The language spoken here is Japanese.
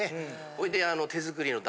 ほいで。